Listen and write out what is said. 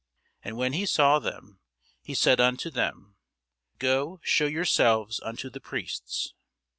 And when he saw them, he said unto them, Go shew yourselves unto the priests.